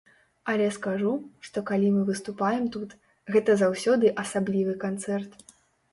Але скажу, што калі мы выступаем тут, гэта заўсёды асаблівы канцэрт.